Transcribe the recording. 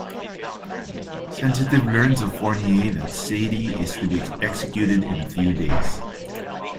Sensitive learns of Fournier that Sade is to be executed in a few days.